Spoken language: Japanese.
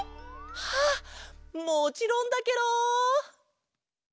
あっもちろんだケロ！